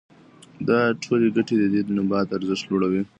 دا ټولې ګټې د دې نبات ارزښت لوړوي.